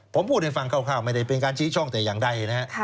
ผมพูดให้ฟังคร่าวไม่ได้เป็นการชี้ช่องแต่อย่างใดนะฮะ